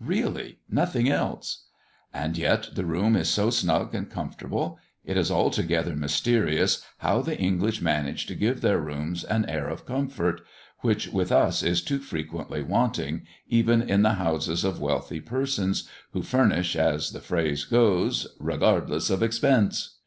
Really nothing else! And yet the room is so snug and comfortable. It is altogether mysterious, how the English manage to give their rooms an air of comfort, which with us is too frequently wanting, even in the houses of wealthy persons, who furnish, as the phrase goes, "regardless of expense."